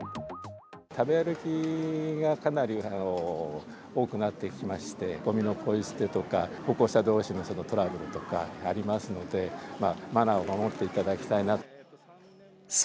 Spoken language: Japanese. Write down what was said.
食べ歩きがかなり多くなってきまして、ごみのぽい捨てとか、歩行者どうしのトラブルとかありますので、マナーを守っていただ